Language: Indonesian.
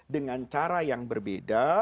dengan cara yang berbeda